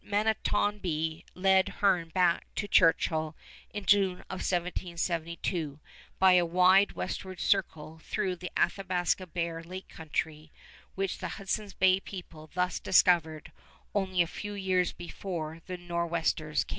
Matonabbee led Hearne back to Churchill in June of 1772 by a wide westward circle through the Athabasca Bear Lake Country, which the Hudson's Bay people thus discovered only a few years before the Nor'westers came.